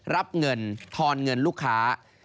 รับเงินทอนเงินลูกค้า